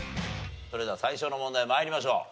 それでは最初の問題参りましょう。